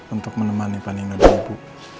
untuk menemani penino ibu